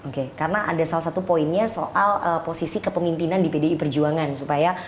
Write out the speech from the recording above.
oke karena ada salah satu poinnya soal posisi kepemimpinan di pdi perjuangan supaya